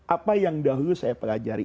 apa yang dahulu saya pelajari